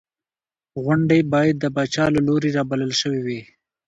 غونډې باید د پاچا له لوري رابلل شوې وې.